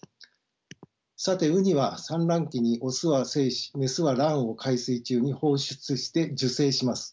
さてウニは産卵期に雄は精子雌は卵を海水中に放出して受精します。